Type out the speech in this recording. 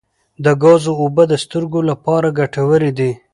د ګازرو اوبه د سترګو لپاره ګټورې دي.